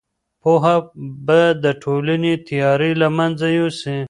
پوهه به د ټولني تیارې له منځه یوسي.